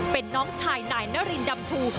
เป็นน้องชายนายนารินดำชู